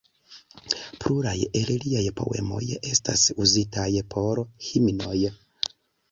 Pluraj el liaj poemoj estas uzitaj por himnoj.